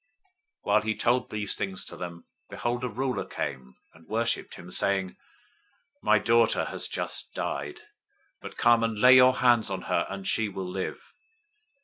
009:018 While he told these things to them, behold, a ruler came and worshiped him, saying, "My daughter has just died, but come and lay your hand on her, and she will live."